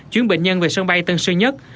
chuyến bệnh nhân về sân bay tầng sân nhất